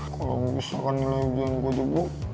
kalo misalkan nilai ujian gue juga blok